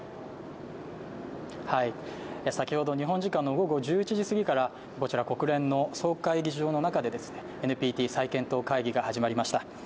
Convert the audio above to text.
先ほど日本時間の午後１１時すぎから国連の総会議場の中で、ＮＰＴ再検討会議が始まりました。